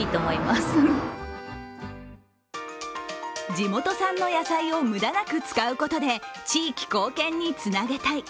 地元産の野菜を無駄なく使うことで地域貢献につなげたい。